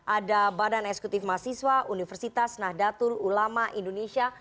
ada badan eksekutif mahasiswa universitas nahdlatul ulama indonesia